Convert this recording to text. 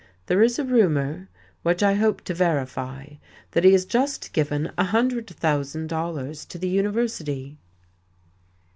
"There is a rumour, which I hope to verify, that he has just given a hundred thousand dollars to the University."